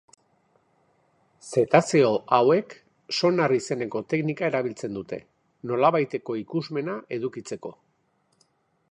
Zetazeo hauek, sonar izeneko teknika erabiltzen dute, nolabaiteko ikusmena edukitzeko.